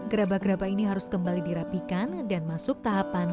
gerabah gerabah ini harus kembali dirapikan dan masuk tahapan